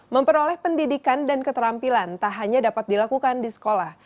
memperoleh pendidikan dan keterampilan tak hanya dapat dilakukan di sekolah